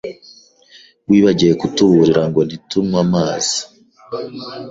Wibagiwe kutuburira ngo ntitunywe amazi.